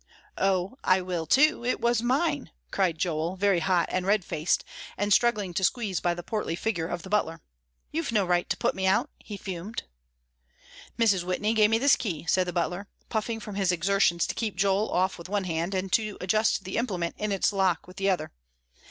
"Oh! I will too; it was mine!" cried Joel, very hot and red faced, and struggling to squeeze by the portly figure of the butler. "You've no right to put me out," he fumed. "Mrs. Whitney gave me this key," said the butler, puffing from his exertions to keep Joel off with one hand, and to adjust the implement in its lock with the other.